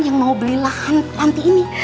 yang mau beli lahan panti ini